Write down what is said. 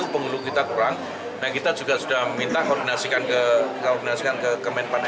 pemilu kita kurang nah kita juga sudah minta koordinasikan ke koordinasikan ke kemenpan